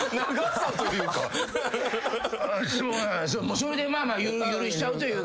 それで許しちゃうというか。